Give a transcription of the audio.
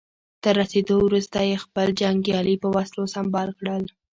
تر رسېدو وروسته يې خپل جنګيالي په وسلو سمبال کړل.